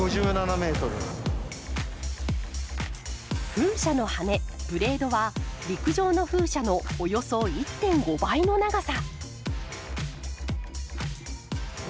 風車の羽根ブレードは陸上の風車のおよそ１．５倍の長さ。